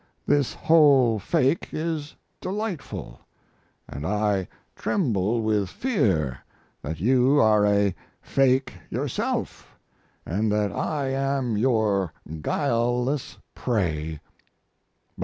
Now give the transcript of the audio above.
This whole fake is delightful; & I tremble with fear that you are a fake yourself & that I am your guileless prey.